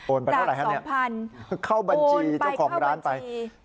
โอนไปเท่าไหร่ฮะเนี่ยโอนไปเท่าบัญชีจาก๒๐๐๐เข้าบัญชีเจ้าของร้านไป